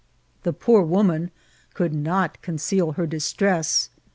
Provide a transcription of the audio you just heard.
The poor wom* an could not conceal her distress.